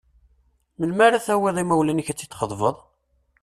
Melmi ara tawiḍ imawlan-ik ad tt-id-txeḍbeḍ?